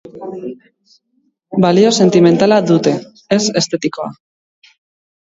Balio sentimentala dute, ez estetikoa.